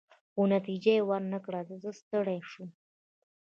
خو نتیجه يې ورنه کړل، زه ستړی شوم.